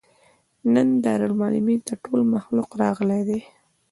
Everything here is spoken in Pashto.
نن دارالمعلمین ته ټول مخلوق راغلى دی.